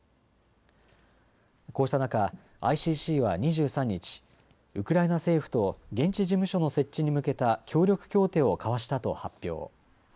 こうした中、ＩＣＣは２３日、ウクライナ政府と現地事務所の設置に向けた協力協定を交わしたと発表。